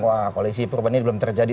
wah koalisi perubahan ini belum terjadi